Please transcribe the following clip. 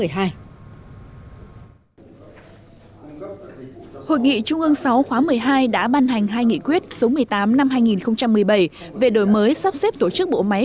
hội nghị trung ương sáu khóa một mươi hai đã ban hành hai nghị quyết số một mươi tám năm hai nghìn một mươi bảy về đổi mới sắp xếp tổ chức bộ máy